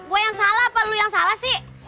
gue yang salah apa lo yang salah sih